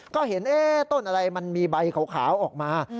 ก็เห็นต้นอะไรมันมีใบขาวออกมา